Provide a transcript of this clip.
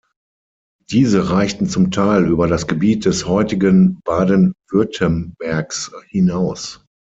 Diese reichten zum Teil über das Gebiet des heutigen Baden-Württembergs hinaus.